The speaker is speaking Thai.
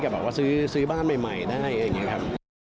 บอกว่าซื้อบ้านใหม่ได้อะไรอย่างนี้ครับ